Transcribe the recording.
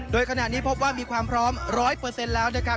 โดยขณะนี้พบว่ามีความพร้อม๑๐๐แล้วนะครับ